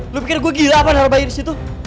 lu pikir gue gila apaan harap bayi disitu